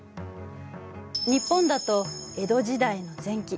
日本だと江戸時代の前期。